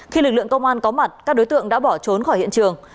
khi lực lượng công an có mặt các đối tượng đã bỏ trốn khỏi hiện trường